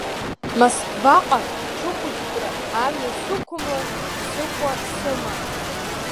Москваҟа ҽыхәышәтәра амҩа сықәымлар ԥсыхәа сымам.